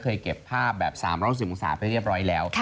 เก็บภาพแบบ๓๖๐องศาไปเรียบร้อยแล้ว